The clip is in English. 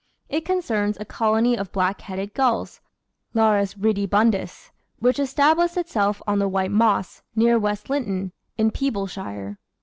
It concerns a colony of black headed gulls (Larus ridibundus) , which established itself on the White Moss, near West Linton, in Peeblesshire.